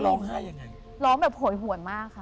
ร้องบอกไห่โหยห่วนมาก